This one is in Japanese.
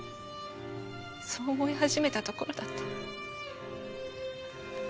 そう思い始めたところだった。